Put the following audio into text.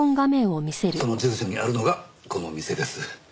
その住所にあるのがこの店です。